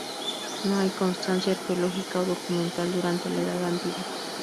No hay constancia arqueológica o documental durante la Edad Antigua.